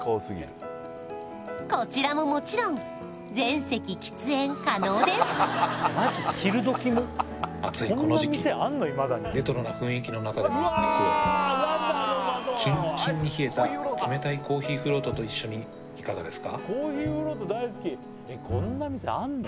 こちらももちろん全席喫煙可能です暑いこの時期レトロな雰囲気の中での一服をキンキンに冷えた冷たいコーヒーフロートと一緒にいかがですか？